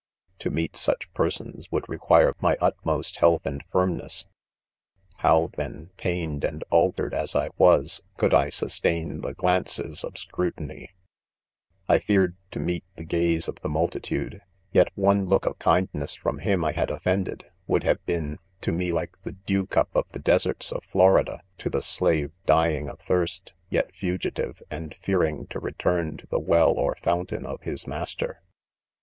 To meet such persons, would require my utmost health and firmness | how, then, pained and al tered as I was, could I sustain the glances of scrutiny % 1 1 feared to meet the gaze of the multitude ; yet one look of kindness from him I had offend ed, would/ have been: to me like the dew cup of the deserts .of Florida, to the slave dying of thirst, yet fugitive, and fearing to return to the well or. fountain of hijs master.